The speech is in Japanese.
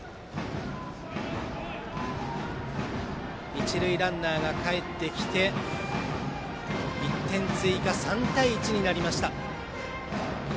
一塁ランナーがかえってきて１点追加、３対１になりました。